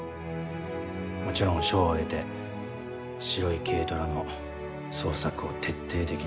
もちろん署を挙げて白い軽トラの捜索を徹底的にした。